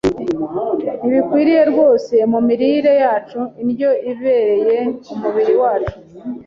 ntibikwiriye rwose mu mirire yacu. Indyo ibereye umubiri wacu,